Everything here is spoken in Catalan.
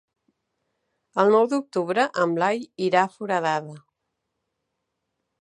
El nou d'octubre en Blai irà a Foradada.